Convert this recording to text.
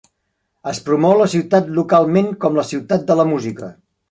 Es promou la ciutat localment com la "ciutat de la música".